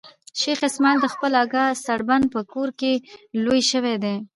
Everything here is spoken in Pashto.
شېخ اسماعیل د خپل اکا سړبن په کور کښي لوی سوی دئ.